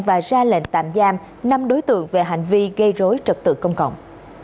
và ra lệnh tạm giam năm đối tượng về hành vi gây rối trật tự công cộng